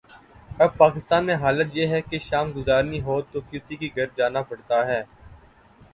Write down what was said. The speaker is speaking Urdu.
اب پاکستان میں حالت یہ ہے کہ شام گزارنی ہو تو کسی کے گھر جانا پڑتا ہے۔